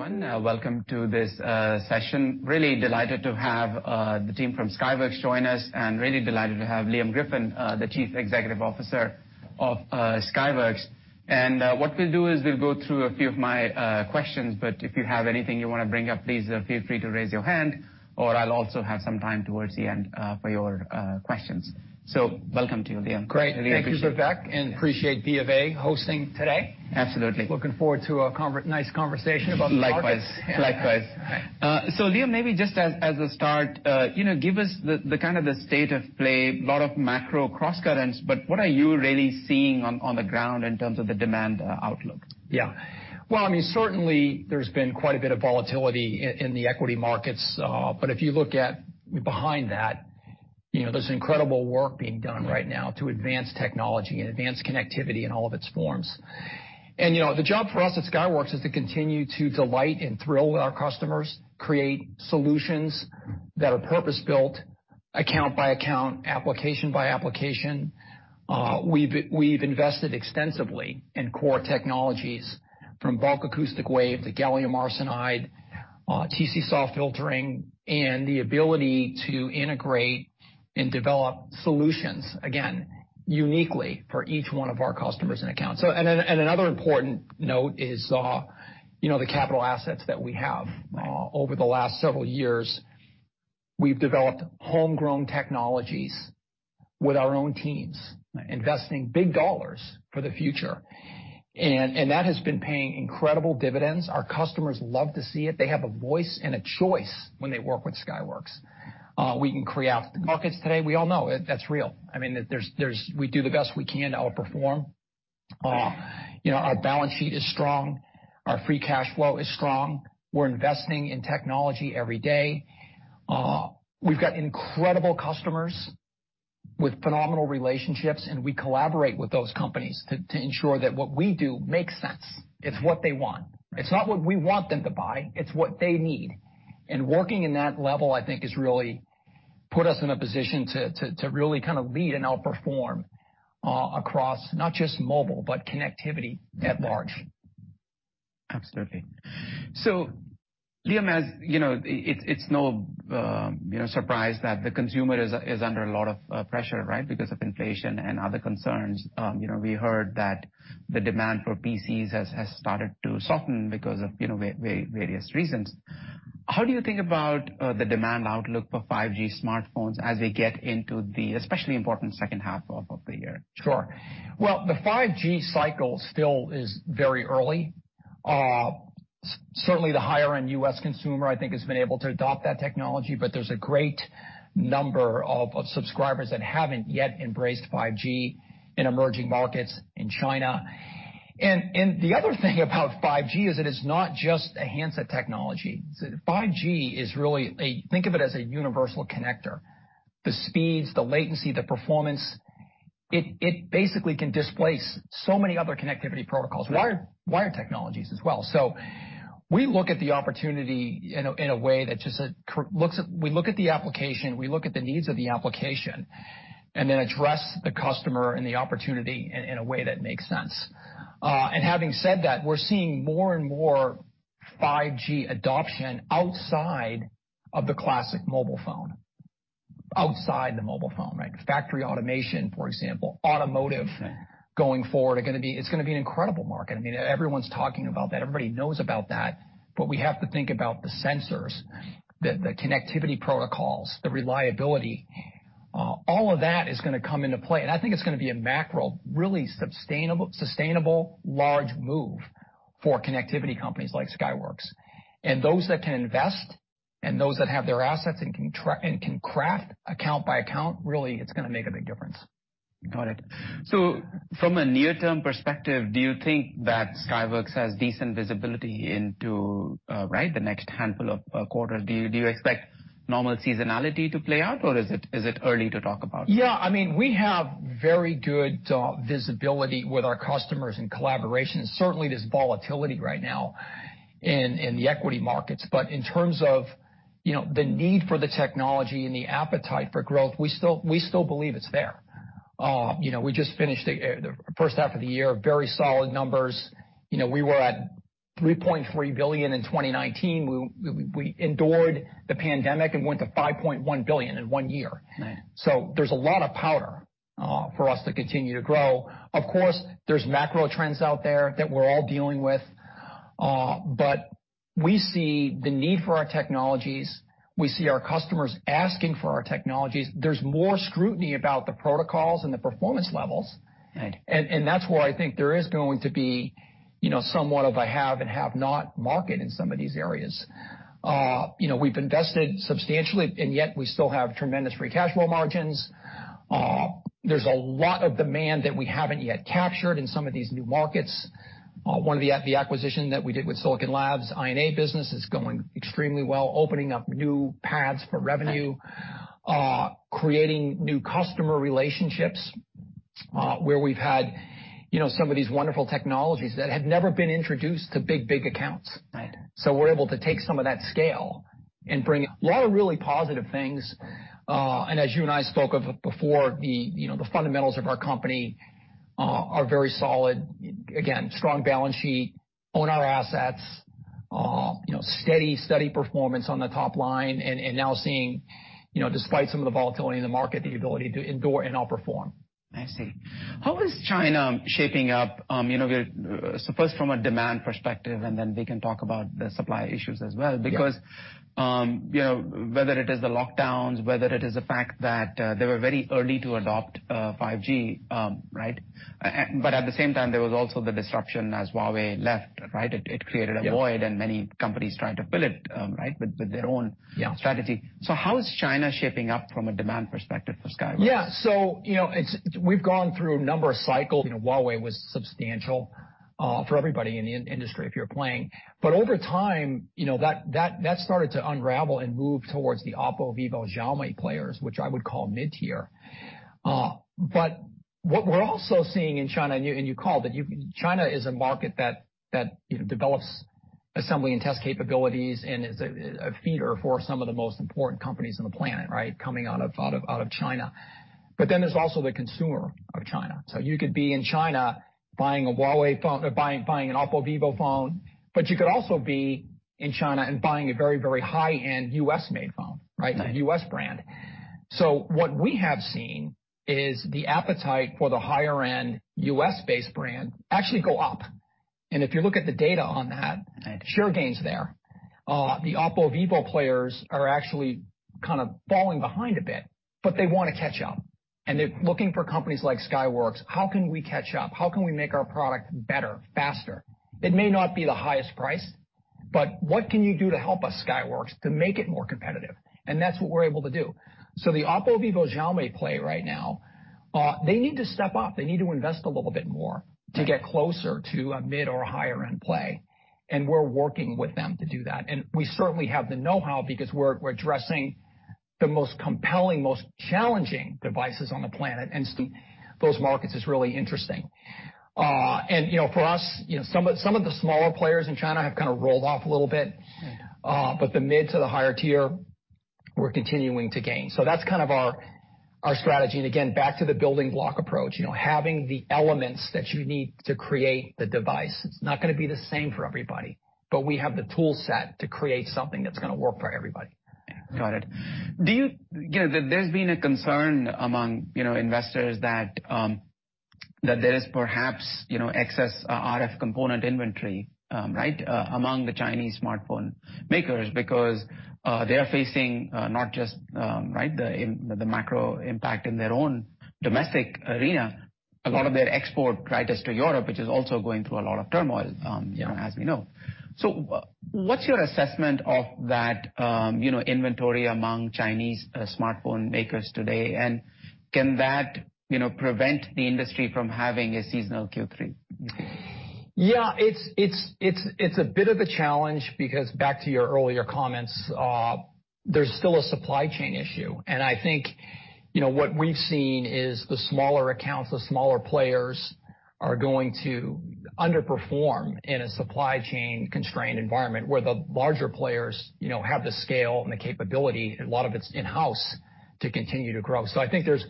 Thank you, everyone. Welcome to this session. Really delighted to have the team from Skyworks join us, and really delighted to have Liam Griffin, the Chief Executive Officer of Skyworks. What we'll do is we'll go through a few of my questions, but if you have anything you want to bring up, please feel free to raise your hand, or I'll also have some time towards the end for your questions. Welcome to you, Liam. Great. [inaudible] Thank you, Vivek, and appreciate BofA hosting today. Absolutely. Looking forward to a nice conversation about the market. Likewise. Liam, maybe just as a start, give us the the state of play. Lot of macro crosscurrents, but what are you really seeing on the ground in terms of the demand outlook? Yes. Well, certainly there's been quite a bit of volatility in the equity markets. But if you look behind that, there's incredible work being done right now to advance technology and advance connectivity in all of its forms. The job for us at Skyworks is to continue to delight and thrill our customers, create solutions that are purpose-built account by account, application by application. We've invested extensively in core technologies, from Bulk Acoustic Wave to Gallium Arsenide, TC-SAW filtering, and the ability to integrate and develop solutions, again, uniquely for each one of our customers and accounts. Another important note is the capital assets that we have. Over the last several years, we've developed homegrown technologies with our own teams. Investing big dollars for the future. That has been paying incredible dividends. Our customers love to see it. They have a voice and a choice when they work with Skyworks. We can create markets today. We all know it. That's real. We do the best we can to outperform. Our balance sheet is strong. Our free cash flow is strong. We're investing in technology every day. We've got incredible customers with phenomenal relationships, and we collaborate with those companies to ensure that what we do makes sense. It's what they want. It's not what we want them to buy, it's what they need. Working in that level, I think, has really put us in a position to really lead and outperform across not just mobile, but connectivity at large. Absolutely. Liam, as you know, it's no surprise that the consumer is under a lot of pressure, because of inflation and other concerns. We heard that the demand for PCs has started to soften because of various reasons. How do you think about the demand outlook for 5G smartphones as they get into the especially important second half of the year? Sure. Well, the 5G cycle still is very early. Certainly, the higher-end U.S. consumer, I think, has been able to adopt that technology, but there's a great number of subscribers that haven't yet embraced 5G in emerging markets, in China. The other thing about 5G is that it's not just a handset technology. 5G is really think of it as a universal connector. The speeds, the latency, and the performance, it basically can displace so many other connectivity protocols. Wired technologies as well. We look at the opportunity in a way that we just look at the application, we look at the needs of the application, and then address the customer and the opportunity in a way that makes sense. Having said that, we're seeing more and more 5G adoption outside of the classic mobile phone. Outside the mobile phone, right? Factory automation, for example, automotive. It's going to be an incredible market. Everyone's talking about that. Everybody knows about that. We have to think about the sensors, the connectivity protocols, the reliability. All of that is going to come into play, and I think it's going to be a macro, really sustainable large move for connectivity companies like Skyworks. Those that can invest and those that have their assets and can craft account by account, really, it's going to make a big difference. Got it. From a near-term perspective, do you think that Skyworks has decent visibility into the next handful of quarters? Do you expect normal seasonality to play out, or is it early to talk about? Yes. We have very good visibility with our customers and collaborations. Certainly, there's volatility right now in the equity markets. In terms of the need for the technology and the appetite for growth, we still believe it's there. We just finished the first half of the year, very solid numbers. We were at $3.3 billion in 2019. We endured the pandemic and went to $5.1 billion in one year. There's a lot of powder for us to continue to grow. Of course, there's macro trends out there that we're all dealing with. We see the need for our technologies. We see our customers asking for our technologies. There's more scrutiny about the protocols and the performance levels. That's where I think there is going to be somewhat of a have and have-not market in some of these areas. We've invested substantially, and yet we still have tremendous free cash flow margins. There's a lot of demand that we haven't yet captured in some of these new markets. One of the acquisition that we did with Silicon Labs, I&A business is going extremely well, opening up new paths for revenue. Creating new customer relationships, where we've had some of these wonderful technologies that have never been introduced to big, big accounts. We're able to take some of that scale and bring a lot of really positive things. As you and I spoke of before, the fundamentals of our company are very solid. Again, strong balance sheet, own our assets, steady performance on the top line, and now seeing, despite some of the volatility in the market, the ability to endure and outperform. I see. How is China shaping up I suppose from a demand perspective, and then we can talk about the supply issues as well. Because whether it is the lockdowns, whether it is the fact that, they were very early to adopt, 5G, right? But at the same time, there was also the disruption as Huawei left, right? It created a void. Many companies trying to fill it with their own strategy. Yes. How is China shaping up from a demand perspective for Skyworks? Yes. We've gone through a number of cycles. Huawei was substantial for everybody in the industry if you're playing. Over time, that started to unravel and move towards the OPPO, Vivo, Xiaomi players, which I would call mid-tier. What we're also seeing in China, and you called it. China is a market that develops assembly and test capabilities and is a feeder for some of the most important companies on the planet coming out of China. There's also the consumer of China. You could be in China buying a Huawei phone or buying an OPPO, Vivo phone, but you could also be in China and buying a very, very high-end U.S. made phone, right? A U.S. brand. What we have seen is the appetite for the higher-end U.S. based brand actually go uf you look at the data on that. Share gains there, the OPPO, Vivo players are actually kind of falling behind a bit, but they want to catch up, and they're looking for companies like Skyworks. How can we catch up? How can we make our product better, faster? It may not be the highest price, but what can you do to help us, Skyworks, to make it more competitive? That's what we're able to do. The OPPO, Vivo, Xiaomi player right now, they need to step up. They need to invest a little bit more. To get closer to a mid or a higher-end play, and we're working with them to do that. We certainly have the know-how because we're addressing the most compelling, most challenging devices on the planet, and so those markets is really interesting. For us, some of the smaller players in China have kind of rolled off a little bit. The mid to the higher tier, we're continuing to gain. That's our strategy. Again, back to the building block approach, having the elements that you need to create the device. It's not going to be the same for everybody, but we have the tool set to create something that's going to work for everybody. Got it. There's been a concern among, you know, investors that there is perhaps excess RF component inventory among the Chinese smartphone makers because they are facing not just the macro impact in their own domestic arena. A lot of their export orders to Europe, which is also going through a lot of turmoil as we know. What's your assessment of that inventory among Chinese smartphone makers today, and can that prevent the industry from having a seasonal Q3? Yes. It's a bit of a challenge because back to your earlier comments, there's still a supply chain issue. I think what we've seen is the smaller accounts, the smaller players are going to underperform in a supply chain constrained environment where the larger players have the scale and the capability, a lot of it's in-house, to continue to grow. I think there's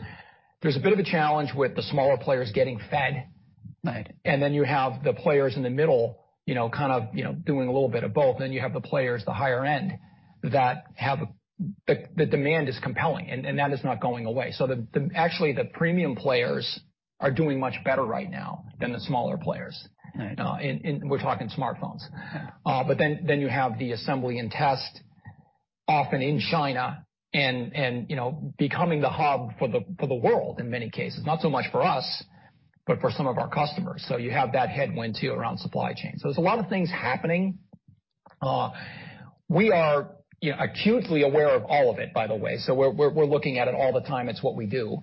a bit of a challenge with the smaller players getting fed. You have the players in the middle doing a little bit of both. You have the players, the higher end. The demand is compelling and that is not going away. Actually, the premium players are doing much better right now than the smaller players. We're talking smartphones. You have the assembly and test often in China and becoming the hub for the world in many cases. Not so much for us, but for some of our customers. You have that headwind too around supply chain. There's a lot of things happening. We are acutely aware of all of it, by the way. We're looking at it all the time. It's what we do.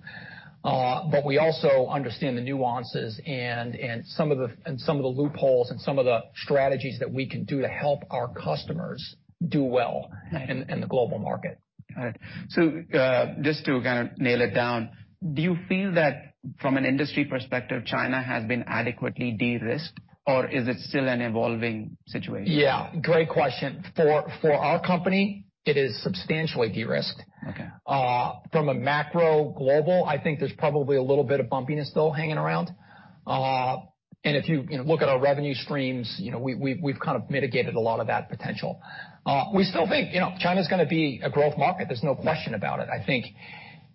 We also understand the nuances and some of the loopholes and some of the strategies that we can do to help our customers do well in the global market. Got it. Just to kind of nail it down, do you feel that from an industry perspective, China has been adequately de-risked, or is it still an evolving situation? Yes, great question. For our company, it is substantially de-risked. From a macro global, I think there's probably a little bit of bumpiness still hanging around. If look at our revenue streams, we've mitigated a lot of that potential. We still think China's going to be a growth market. There's no question about it. I think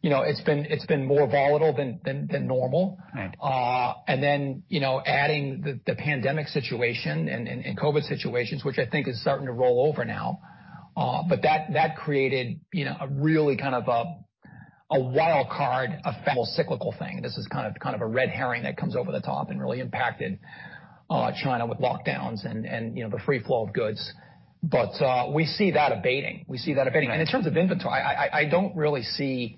it's been more volatile than normal. Adding the pandemic situation and COVID situations, which I think is starting to roll over now, but that created a really wild card effect, more cyclical thing. This is a red herring that comes over the top and really impacted China with lockdowns and the free flow of goods. We see that abating. In terms of inventory, I don't really see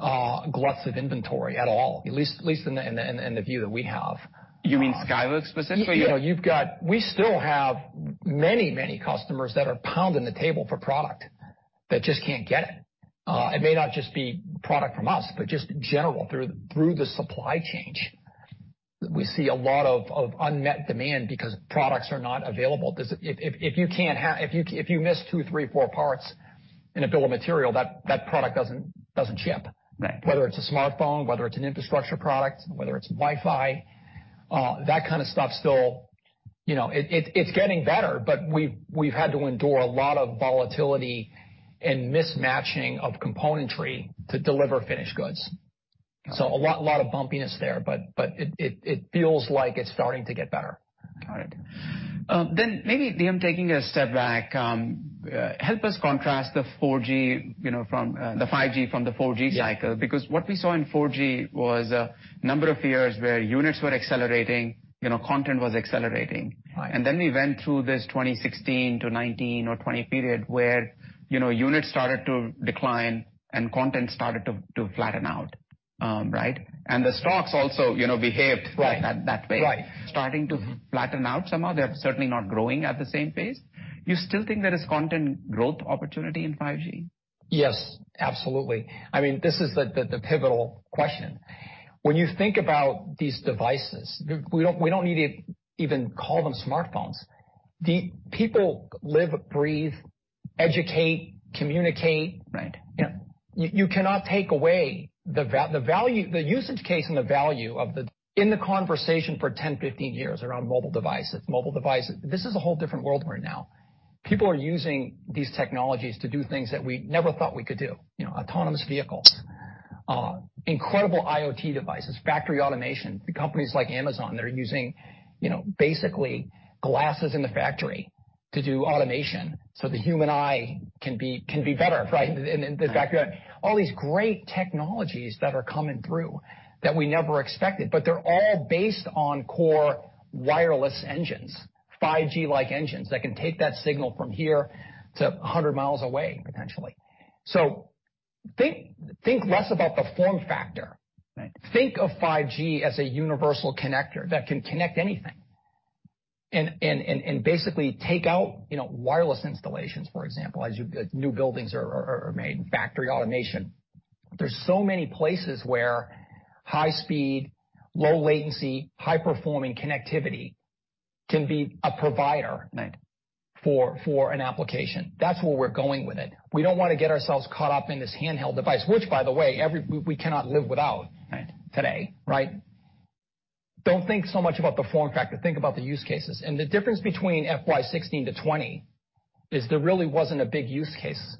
gluts of inventory at all, at least in the view that we have. You mean Skyworks specifically? We still have many, many customers that are pounding the table for product that just can't get it. It may not just be product from us, but just in general through the supply chain. We see a lot of unmet demand because products are not available. If you miss two, three or four parts in a bill of material, that product doesn't ship. Whether it's a smartphone, whether it's an infrastructure product, whether it's Wi-Fi, that kind of stuff still it's getting better, but we've had to endure a lot of volatility and mismatching of componentry to deliver finished goods. A lot of bumpiness there, but it feels like it's starting to get better. Got it. Maybe, Liam, taking a step back, help us contrast the 5G from the 4G cycle. Because what we saw in 4G was a number of years where units were accelerating, content was accelerating. We went through this 2016-2019 or 2020 period where units started to decline and content started to flatten out, right? The stocks also behaved that way. Right. Starting to flatten out somehow. They're certainly not growing at the same pace. You still think there is content growth opportunity in 5G? Yes, absolutely. This is the pivotal question. When you think about these devices, we don't need to even call them smartphones. People live, breathe, educate, communicate. You cannot take away the use case and the value in the conversation for 10-15 years around mobile devices. This is a whole different world we're in now. People are using these technologies to do things that we never thought we could do. Autonomous vehicles, incredible IoT devices, factory automation, the companies like Amazon that are using basically glasses in the factory to do automation so the human eye can be better, right? In fact, all these great technologies that are coming through that we never expected, but they're all based on core wireless engines, 5G-like engines that can take that signal from here to 100 miles away, potentially. Think less about the form factor. Think of 5G as a universal connector that can connect anything and basically take out wireless installations, for example, new buildings are made, factory automation. There's so many places where high speed, low latency, high-performing connectivity can be a provider for an application. That's where we're going with it. We don't want to get ourselves caught up in this handheld device, which, by the way, we cannot live without today, right? Don't think so much about the form factor. Think about the use cases. The difference between FY 2016 to FY 2020 is there really wasn't a big use case.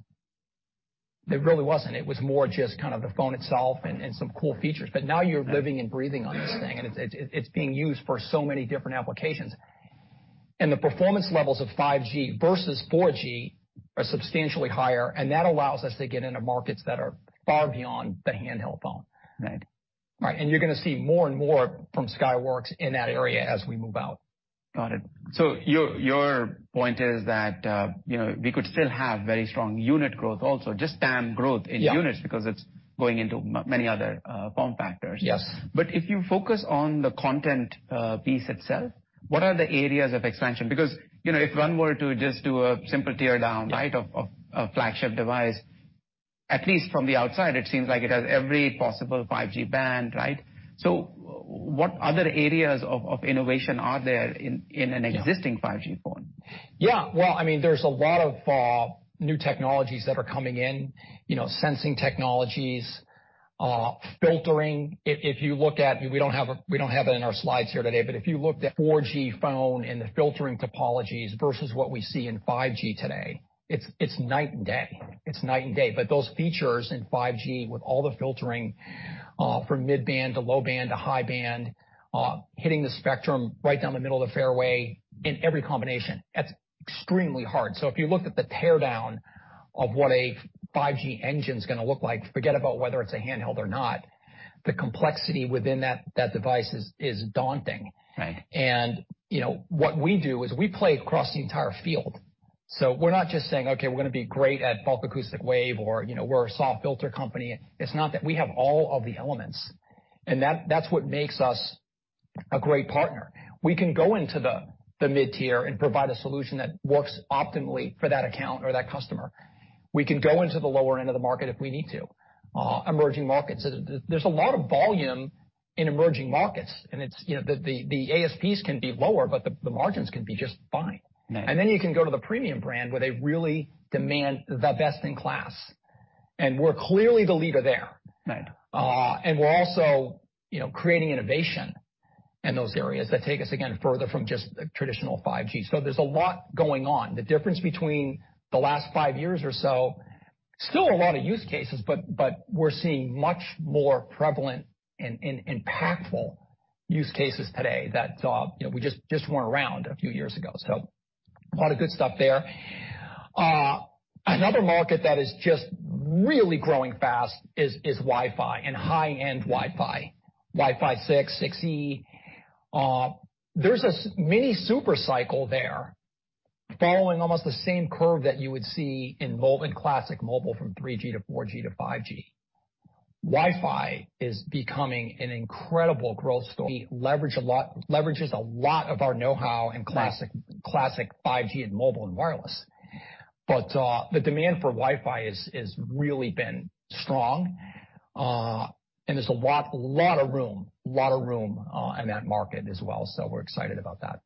There really wasn't. It was more just the phone itself and some cool features. Now you're living and breathing on this thing, and it's being used for so many different applications. The performance levels of 5G versus 4G are substantially higher, and that allows us to get into markets that are far beyond the handheld phone. You're going to see more and more from Skyworks in that area as we move out. Got it. Your point is that we could still have very strong unit growth also, just TAM growth in units because it's going into many other form factors. Yes. If you focus on the content, piece itself, what are the areas of expansion? Because if one were to just do a simple teardown of a flagship device, at least from the outside, it seems like it has every possible 5G band, right? What other areas of innovation are there in an existing-5G phone? Yes. Well, there's a lot of new technologies that are coming in. Sensing technologies, filtering. We don't have it in our slides here today, but if you looked at 4G phone and the filtering topologies versus what we see in 5G today, it's night and day. Those features in 5G with all the filtering, from mid-band to low band to high band, hitting the spectrum right down the middle of the fairway in every combination, that's extremely hard. If you look at the teardown of what a 5G engine's going to look like, forget about whether it's a handheld or not, the complexity within that device is daunting. What we do is we play across the entire field. We're not just saying, "Okay, we're going to be great at Bulk Acoustic Wave," or "We're a SAW filter company." It's not that. We have all of the elements, and that's what makes us a great partner. We can go into the mid-tier and provide a solution that works optimally for that account or that customer. We can go into the lower end of the market if we need to. Emerging markets. There's a lot of volume in emerging markets, and it's the ASPs can be lower, but the margins can be just fine. You can go to the premium brand where they really demand the best-in-class, and we're clearly the leader there. We're also creating innovation in those areas that take us, again, further from just traditional 5G. There's a lot going on. The difference between the last five years or so, still a lot of use cases, but we're seeing much more prevalent and impactful use cases today that we just weren't around a few years ago. A lot of good stuff there. Another market that is just really growing fast is Wi-Fi and high-end Wi-Fi, Wi-Fi 6, 6E. There's a mini super cycle there following almost the same curve that you would see in classic mobile from 3G to 4G to 5G. Wi-Fi is becoming an incredible growth story. Leverages a lot of our know-how and classic 5G and mobile and wireless. The demand for Wi-Fi has really been strong. There's a lot of room in that market as well. We're excited about that.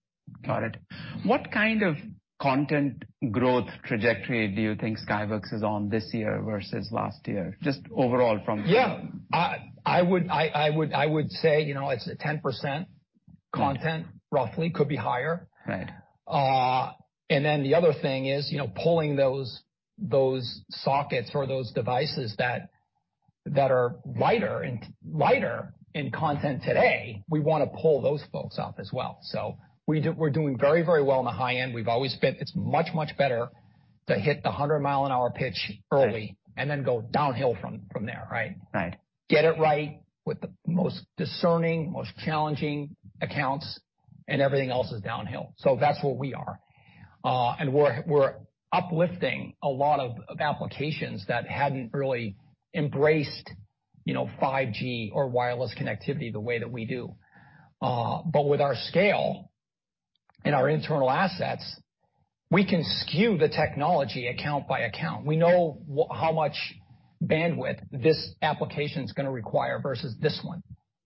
Got it. What kind of content growth trajectory do you think Skyworks is on this year versus last year? Yes. I would say it's 10% content roughly, could be higher. The other thing is pulling those sockets or those devices that are lighter in content today, we want to pull those folks up as well. We're doing very, very well on the high end. We've always been. It's much, much better to hit the 100-mile-an-hour pitch early then go downhill from there, right? Get it right with the most discerning, most challenging accounts, and everything else is downhill. That's where we are. We're uplifting a lot of applications that hadn't really embraced 5G or wireless connectivity the way that we do. With our scale and our internal assets, we can skew the technology account by account. We know how much bandwidth this application's going to require versus this one,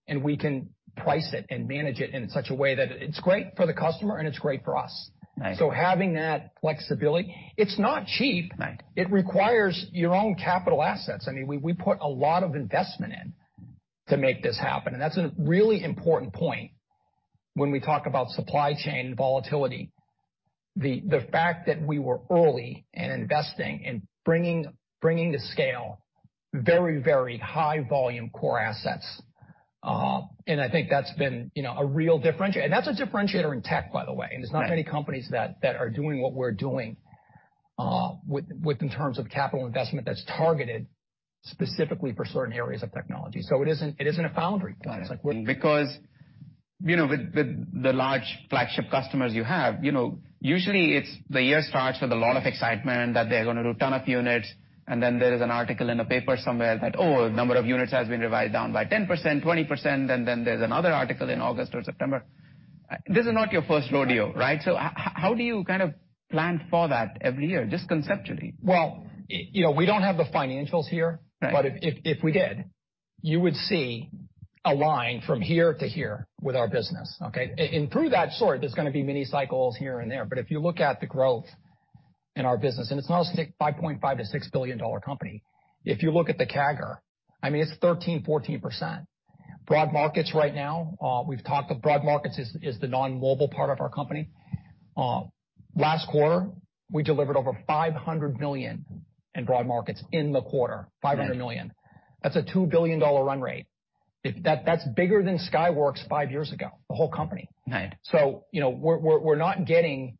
and we can price it and manage it in such a way that it's great for the customer, and it's great for us. Having that flexibility, it's not cheap. It requires your own capital assets. We put a lot of investment in to make this happen, and that's a really important point when we talk about supply chain volatility. The fact that we were early in investing, in bringing to scale very, very high volume core assets, and I think that's been a real differentiator. That's a differentiator in tech, by the way. There's not many companies that are doing what we're doing, with in terms of capital investment that's targeted specifically for certain areas of technology. It isn't a foundry play. Because with the large flagship customers you have, usually it's the year starts with a lot of excitement that they're going to do a ton of units, and then there is an article in the paper somewhere that, the number of units has been revised down by 10%, 20%, and then there's another article in August or September. This is not your first rodeo, right? How do you plan for that every year, just conceptually? Well, we don't have the financials here. If we did, you would see a line from here to here with our business, okay? Through that sort, there's going to be many cycles here and there. If you look at the growth in our business, and it's now a $5.5 billion-$6 billion company. If you look at the CAGR, it's 13%, 14%. Broad markets right now, we've talked about the broad markets is the non-mobile part of our company. Last quarter, we delivered over $500 million in broad markets in the quarter. $500 million. That's a $2 billion run rate. That's bigger than Skyworks five years ago, the whole company. We're not getting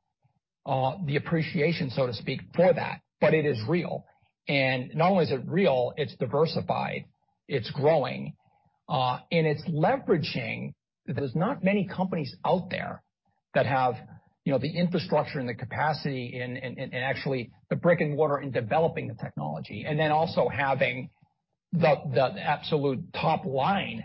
the appreciation, so to speak, for that, but it is real. Not only is it real, it's diversified, it's growing, and it's leveraging. There's not many companies out there that have the infrastructure and the capacity and actually the brick and mortar in developing the technology, and then also having the absolute top line.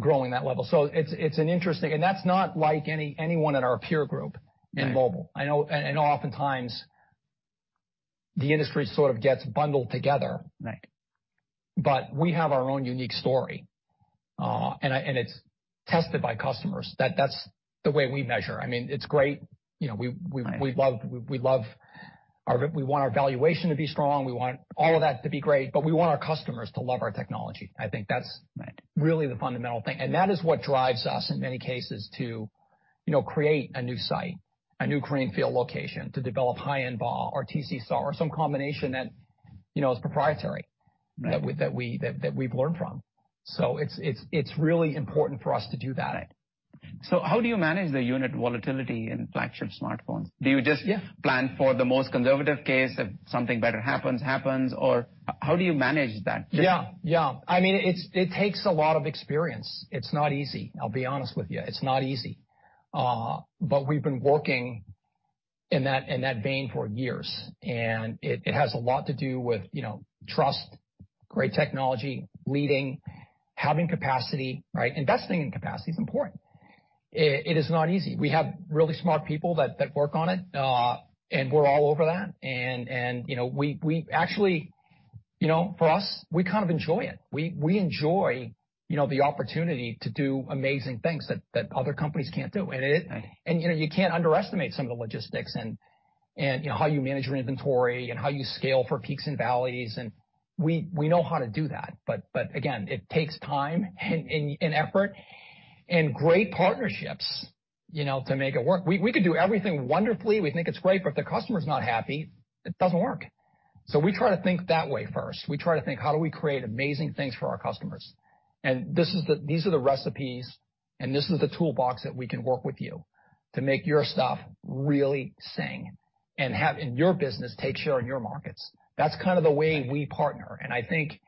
Growing that level. It's an interesting. That's not like anyone in our peer group in mobile. I know oftentimes the industry gets bundled together. We have our own unique story. It's tested by customers. That's the way we measure. It's great. We want our valuation to be strong. We want all of that to be great, but we want our customers to love our technology. I think that's really the fundamental thing. That is what drives us, in many cases, to create a new site, a new greenfield location to develop high-end BAW or TC-SAW or some combination that is proprietary. That we've learned from. It's really important for us to do that. How do you manage the unit volatility in flagship smartphones? Do you just plan for the most conservative case? If something better happens or how do you manage that? Yes. It takes a lot of experience. It's not easy. I'll be honest with you. It's not easy. We've been working in that vein for years, and it has a lot to do with trust, great technology, leading, having capacity, right? Investing in capacity is important. It is not easy. We have really smart people that work on it, and we're all over that. Actually, for us, we enjoy it we enjoy the opportunity to do amazing things that other companies can't do. You know, you can't underestimate some of the logistics and you know, how you manage your inventory and how you scale for peaks and valleys. We know how to do that. But again, it takes time, effort, and great partnerships, you know, to make it work. We could do everything wonderfully. We think it's great, but if the customer's not happy, it doesn't work. We try to think that way first. We try to think, how do we create amazing things for our customers? These are the recipes, and this is the toolbox that we can work with you to make your stuff really sing and have your business take share in your markets. That's kind of the way we partner. I think,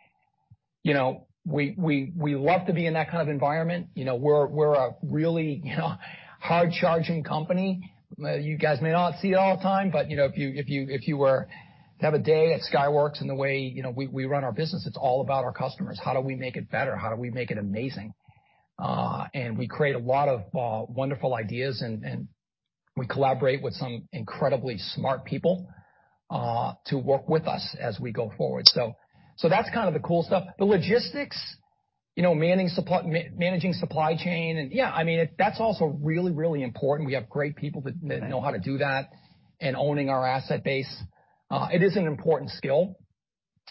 you know, we love to be in that kind of environment. You know, we're a really, you know, hard-charging company. You guys may not see it all the time, but, you know, if you were to have a day at Skyworks and the way, you know, we run our business, it's all about our customers. How do we make it better? How do we make it amazing? We create a lot of wonderful ideas and we collaborate with some incredibly smart people to work with us as we go forward. That's kind of the cool stuff. The logistics, you know, managing supply chain and, I mean, that's also really important. We have great people that know how to do that and owning our asset base. It is an important skill,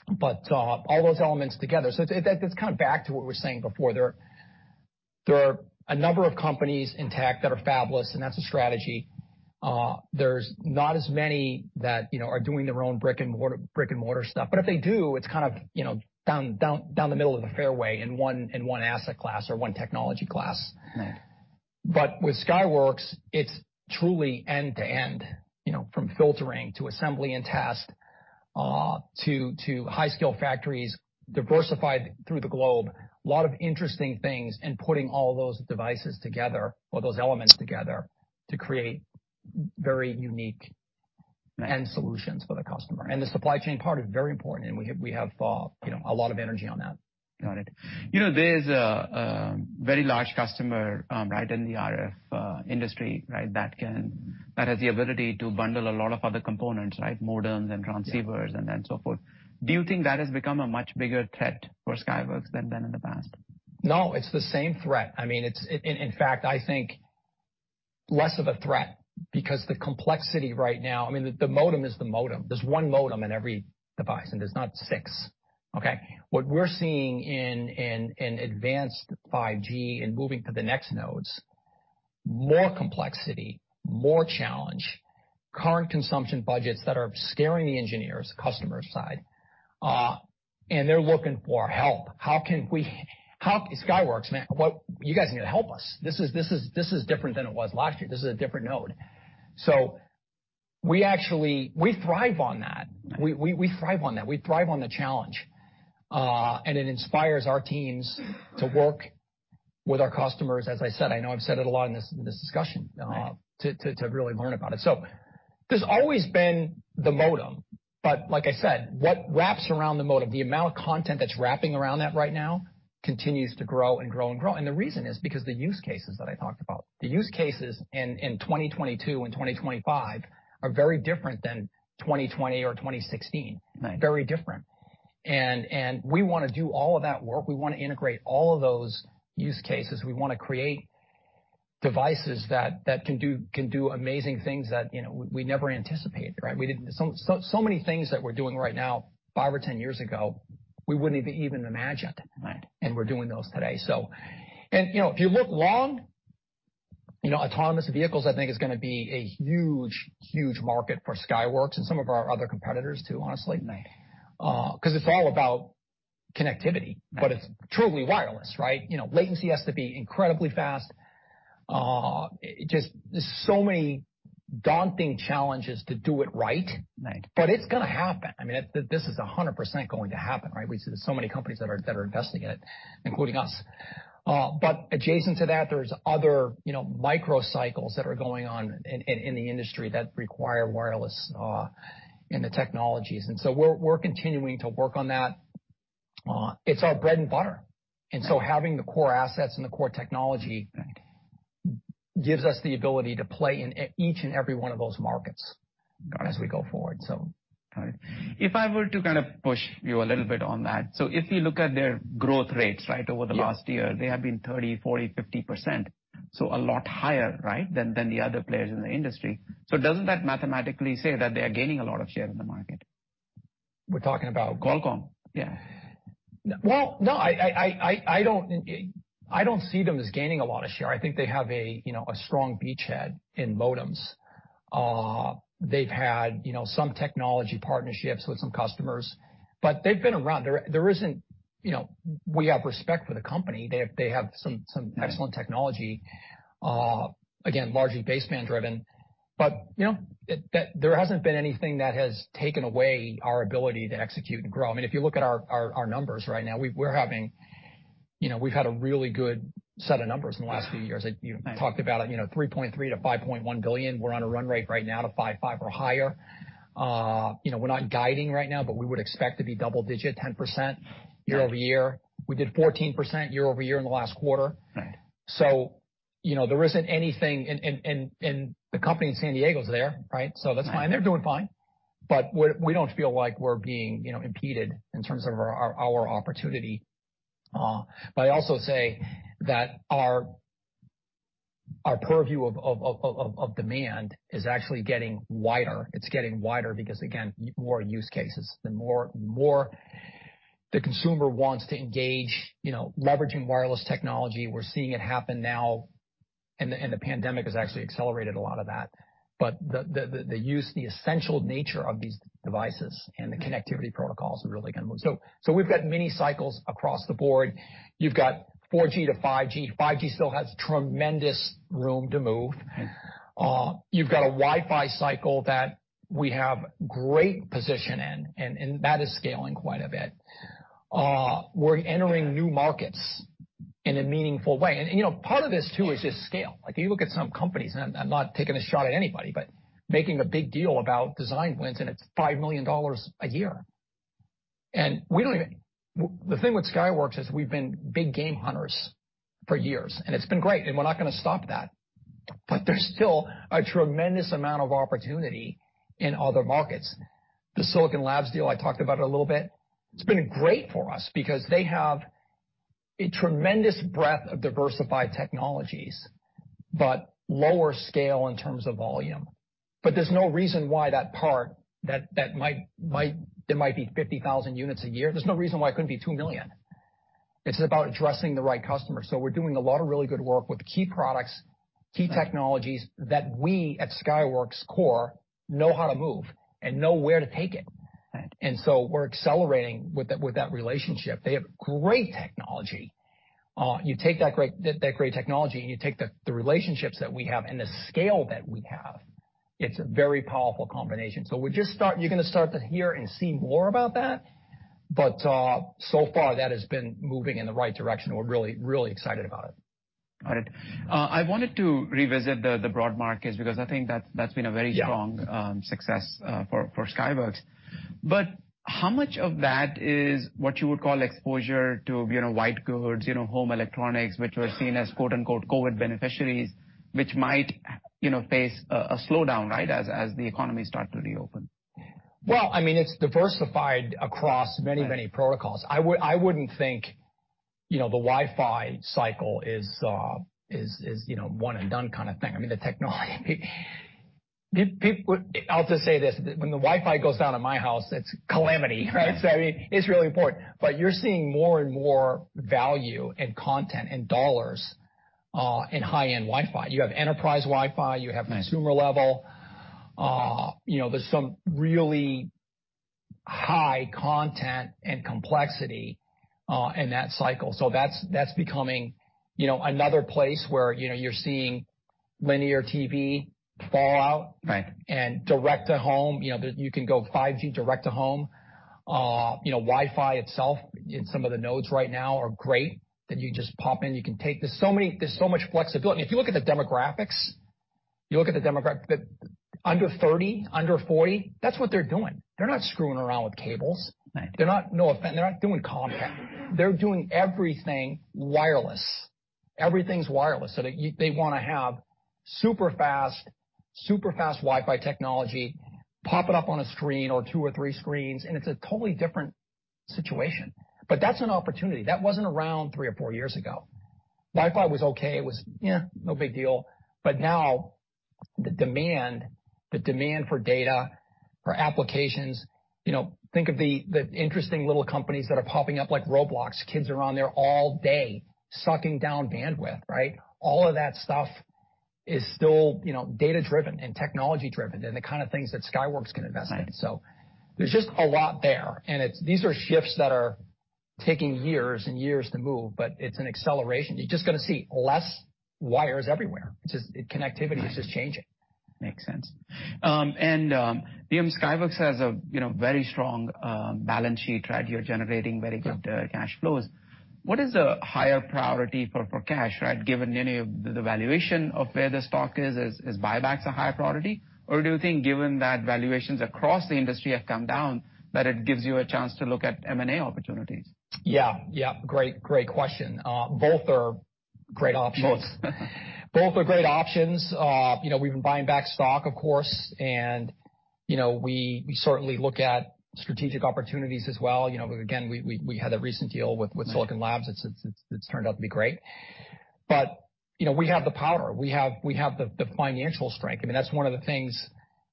but all those elements together. It's kind of back to what we were saying before. There are a number of companies in tech that are fabulous, and that's a strategy. There's not as many that, you know, are doing their own brick and mortar stuff. If they do, it's kind of, you know, down the middle of the fairway in one asset class or one technology class. With Skyworks, it's truly end to end, you know, from filtering to assembly and test, to high skill factories diversified through the globe. A lot of interesting things and putting all those devices together or those elements together to create very unique end solutions for the customer. The supply chain part is very important, and we have, you know, a lot of energy on that. Got it. You know, there's a very large customer right in the RF industry, right? That has the ability to bundle a lot of other components, right? Modems and transceivers and then so forth. Do you think that has become a much bigger threat for Skyworks than in the past? No, it's the same threat. I mean, in fact, I think less of a threat because the complexity right now. I mean, the modem is the modem. There's one modem in every device, and there's not six, okay? What we're seeing in advanced 5G and moving to the next nodes, more complexity, more challenge, current consumption budgets that are scaring the engineers, customer side, and they're looking for help. Skyworks, man, you guys need to help us. This is different than it was last year. This is a different node. We actually thrive on that. We thrive on that. We thrive on the challenge, and it inspires our teams to work with our customers, as I said. I know I've said it a lot in this discussion to really learn about it. There's always been the modem, but like I said, what wraps around the modem, the amount of content that's wrapping around that right now continues to grow and grow and grow. The reason is because the use cases that I talked about. The use cases in 2022 and 2025 are very different than 2020 or 2016. Very different. We want to do all of that work. We want to integrate all of those use cases. We want to create devices that can do amazing things that, you know, we never anticipated, right? So many things that we're doing right now, five or 10 years ago, we wouldn't even imagine. We're doing those today. You know, if you look long, you know, autonomous vehicles I think is going to be a huge market for Skyworks and some of our other competitors too, honestly. 'Cause it's all about connectivity, but it's truly wireless, right? You know, latency has to be incredibly fast. It just, there's so many daunting challenges to do it right. It's going to happen. I mean, this is 100% going to happen, right? We see so many companies that are investing in it, including us. Adjacent to that, there's other, you know, microcycles that are going on in the industry that require wireless in the technologies. We're continuing to work on that. It's our bread and butter. Having the core assets and the core technology gives us the ability to play in each and every one of those markets as we go forward, so. All right. If I were to kind of push you a little bit on that, so if you look at their growth rates, right? Yes. Over the last year, they have been 30%, 40%, 50%, so a lot higher, right, than the other players in the industry. Doesn't that mathematically say that they are gaining a lot of share in the market? We're talking about Qualcomm? Yes. No, I don't see them as gaining a lot of share. I think they have a, you know, a strong beachhead in modems. They've had, you know, some technology partnerships with some customers, but they've been around. There isn't, you know. We have respect for the company. They have some excellent technology, again, largely baseband-driven. But, you know, there hasn't been anything that has taken away our ability to execute and grow. I mean, if you look at our numbers right now, we're having. You know, we've had a really good set of numbers in the last few years. You talked about, you know, $3.3 billion-$5.1 billion. We're on a run rate right now to $5.5 billion or higher. You know, we're not guiding right now, but we would expect to be double-digit, 10% year-over-year. We did 14% year-over-year in the last quarter. You know, there isn't anything. The company in San Diego is there, right? That's fine. They're doing fine. We don't feel like we're being, you know, impeded in terms of our opportunity. I also say that our purview of demand is actually getting wider. It's getting wider because again, more use cases. The more the consumer wants to engage, you know, leveraging wireless technology, we're seeing it happen now, and the pandemic has actually accelerated a lot of that. The use, the essential nature of these devices and the connectivity protocols are really going to move. We've got many cycles across the board. You've got 4G to 5G. 5G still has tremendous room to move. You've got a Wi-Fi cycle that we have great position in, and that is scaling quite a bit. We're entering new markets in a meaningful way. You know, part of this too is just scale. Like, if you look at some companies, and I'm not taking a shot at anybody, but making a big deal about design wins, and it's $5 million a year. The thing with Skyworks is we've been big game hunters for years, and it's been great, and we're not going to stop that. There's still a tremendous amount of opportunity in other markets. The Silicon Labs deal I talked about a little bit, it's been great for us because they have a tremendous breadth of diversified technologies, but lower scale in terms of volume. There's no reason why there might be 50,000 units a year. There's no reason why it couldn't be 2 million. It's about addressing the right customer. We're doing a lot of really good work with key products, key technologies that we at Skyworks core know how to move and know where to take it. We're accelerating with that relationship. They have great technology. You take that great technology, and you take the relationships that we have and the scale that we have, it's a very powerful combination. You're going to start to hear and see more about that, but so far that has been moving in the right direction. We're really, really excited about it. Got it. I wanted to revisit the broad markets because I think that's been a very strong success for Skyworks. How much of that is what you would call exposure to, you know, white goods, you know, home electronics, which were seen as "[COVID] beneficiaries," which might, you know, face a slowdown, right, as the economy start to reopen? Well, I mean, it's diversified across many protocols. I wouldn't think, you know, the Wi-Fi cycle is, you know, one and done kinda thing. I mean, the technology. I'll just say this, when the Wi-Fi goes down at my house, it's calamity, right? I mean, it's really important. You're seeing more and more value and content and dollars in high-end Wi-Fi. You have enterprise Wi-Fi. You have consumer level. You know, there's some really high content and complexity in that cycle. So that's becoming, you know, another place where, you know, you're seeing linear TV fall out. Direct to home, you know, you can go 5G direct to home. Wi-Fi itself in some of the nodes right now are great, that you just pop in. There's so much flexibility. If you look at the demographics, the under 30, under 40, that's what they're doing. They're not screwing around with cables. No offense, they're not doing Comcast. They're doing everything wireless. Everything's wireless. They want to have super fast, super fast Wi-Fi technology popping up on a screen or two or three screens, and it's a totally different situation. That's an opportunity. That wasn't around three or four years ago. Wi-Fi was okay. It was no big deal. Now the demand, the demand for data, for applications, you know, think of the interesting little companies that are popping up like Roblox. Kids are on there all day sucking down bandwidth, right? All of that stuff is still, you know, data-driven and technology-driven, and the kinda things that Skyworks can invest in. There's just a lot there, and these are shifts that are taking years and years to move, but it's an acceleration. You're just going to see less wires everywhere is just changing. Makes sense. Liam, Skyworks has a, you know, very strong, balance sheet, right? You're generating very good cash flows. What is a higher priority for cash, right? Given you know the valuation of where the stock is buybacks a higher priority? Or do you think given that valuations across the industry have come down, that it gives you a chance to look at M&A opportunities? Yes. Great question. Both are great options. Both. Both are great options. You know, we've been buying back stock, of course, and, you know, we certainly look at strategic opportunities as well. You know, again, we had that recent deal with Silicon Labs. It's turned out to be great. You know, we have the power. We have the financial strength. I mean, that's one of the things,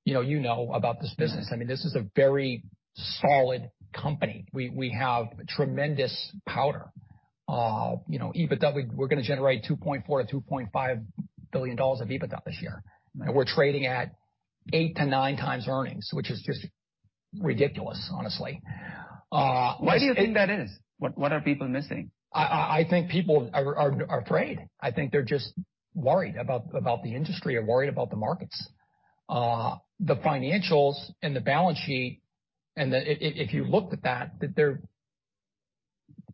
you know, you know about this business. I mean, this is a very solid company. We have tremendous power. You know, EBITDA, we're going to generate $2.4 billion-$2.5 billion of EBITDA this year. We're trading at 8x-9x earnings, which is just ridiculous, honestly. Why do you think that is? What are people missing? I think people are afraid. I think they're just worried about the industry or worried about the markets, the financials and the balance sheet. If you looked at that, they're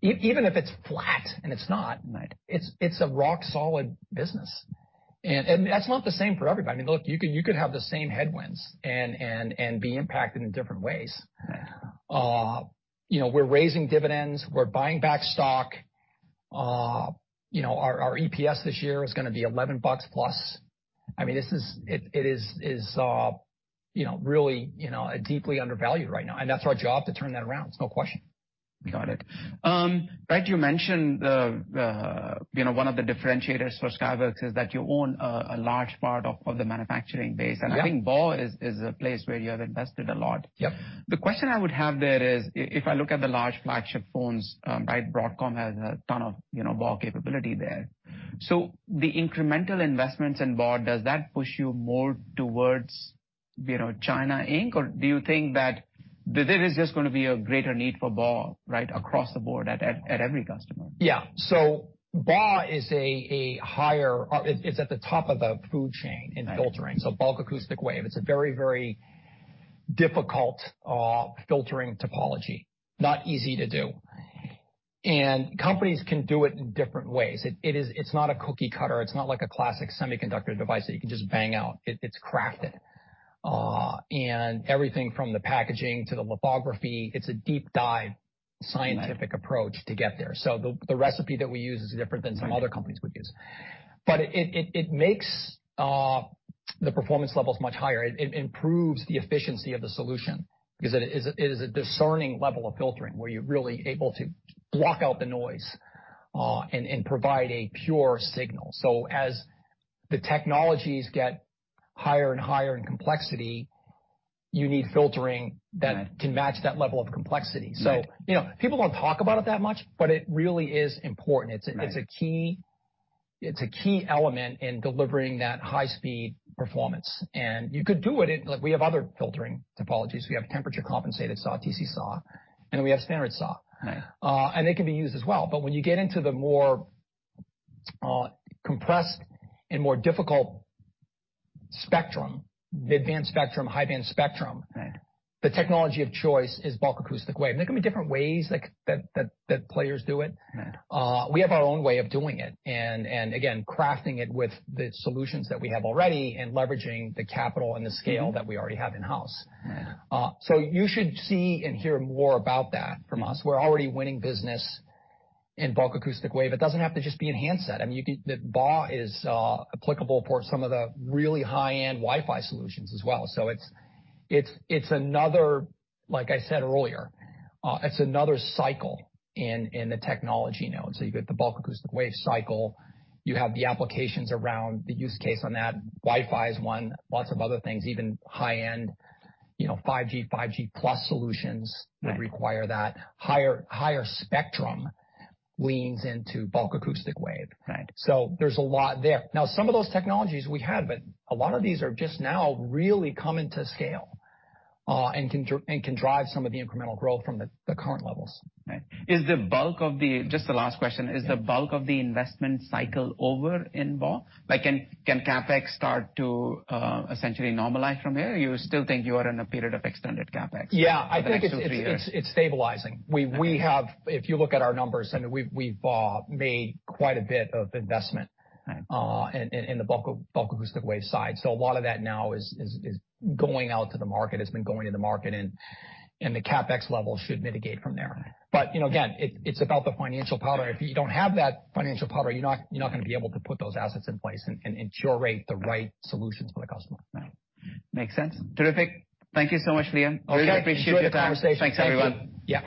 even if it's flat, and it's not. It's a rock solid business. That's not the same for everybody. I mean, look, you could have the same headwinds and be impacted in different ways. We're raising dividends. We're buying back stock. You know, our EPS this year is going to be $11+. I mean, this is it is you know really you know deeply undervalued right now, and that's our job to turn that around. There's no question. Got it. Right, you mentioned, you know, one of the differentiators for Skyworks is that you own a large part of the manufacturing base. I think BAW is a place where you have invested a lot. Yep. The question I would have there is if I look at the large flagship phones, right, Broadcom has a ton of, you know, BAW capability there. So the incremental investments in BAW, does that push you more towards, you know, China Inc., or do you think that there is just going to be a greater need for BAW, right, across the board at every customer? BAW is a higher or it's at the top of the food chain in filtering. Bulk Acoustic Wave. It's a very, very difficult filtering topology. Not easy to do. Companies can do it in different ways. It's not a cookie cutter. It's not like a classic semiconductor device that you can just bang out, it's crafted. And everything from the packaging to the lithography, it's a deep dive scientific approach to get there. The recipe that we use is different than some other companies would use. It makes the performance levels much higher. It improves the efficiency of the solution because it is a discerning level of filtering where you're really able to block out the noise and provide a pure signal. As the technologies get higher and higher in complexity, you need filtering that can match that level of complexity. You know, people don't talk about it that much, but it really is important. It's a key element in delivering that high speed performance. You could do it in—like, we have other filtering topologies. We have temperature compensated SAW, TC SAW, and we have standard SAW. They can be used as well. When you get into the more compressed and more difficult spectrum, mid-band spectrum, high-band spectrum. The technology of choice is Bulk Acoustic Wave. There can be different ways that players do it. We have our own way of doing it, and again, crafting it with the solutions that we have already and leveraging the capital and the scale that we already have in-house. You should see and hear more about that from us. We're already winning business in Bulk Acoustic Wave. It doesn't have to just be in handset. I mean, the BAW is applicable for some of the really high-end Wi-Fi solutions as well. It's another, like I said earlier, it's another cycle in the technology node. You've got the Bulk Acoustic Wave cycle. You have the applications around the use case on that. Wi-Fi is one. Lots of other things, even high-end, you know, 5G plus solutions that require that. Higher spectrum leans into Bulk Acoustic Wave. There's a lot there. Now, some of those technologies we have, but a lot of these are just now really coming to scale, and can drive some of the incremental growth from the current levels. Right. Just the last question. Is the bulk of the investment cycle over in BAW? Like, can CapEx start to essentially normalize from here? You still think you are in a period of extended CapEx? Yes. For the next two, three years? I think it's stabilizing. We have, if you look at our numbers, I mean, we've made quite a bit of investment in the bulk acoustic wave side. A lot of that now is going out to the market. It's been going to the market and the CapEx level should mitigate from there. You know, again, it's about the financial powder. If you don't have that financial powder, you're not going to be able to put those assets in place and curate the right solutions for the customer. Makes sense. Terrific. Thank you so much, Liam. Okay. Really appreciate your time. Enjoyed the conversation. Thank you. Thanks, everyone. Yes.